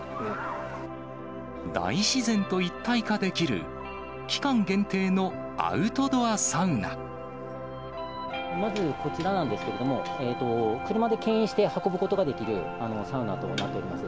大自然と一体化できる、まずこちらなんですけれども、車でけん引して運ぶことができるサウナとなっております。